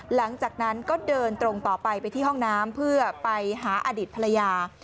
หลังจากนั้นก็เดินตรงต่อไปไปที่ห้องน้ำเพื่อไปหาอดีตภรรยา